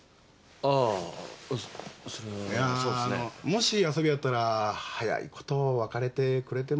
もし遊びやったら早いこと別れてくれてもええですかね？